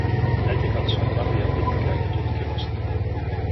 Äiti katsoi Maria pitkään ja tutkivasti.